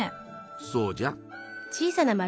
そうじゃ。